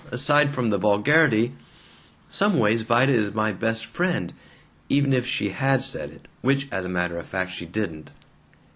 Aside from the vulgarity Some ways, Vida is my best friend. Even if she HAD said it. Which, as a matter of fact, she didn't."